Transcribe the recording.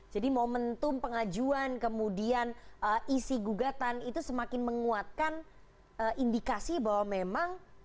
jadi momentum pengajuan kemudian isi gugatan itu semakin menguatkan indikasi bahwa memang